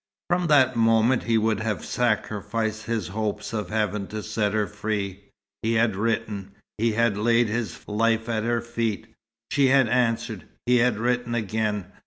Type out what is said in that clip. From that moment he would have sacrificed his hopes of heaven to set her free. He had written he had laid his life at her feet. She had answered. He had written again.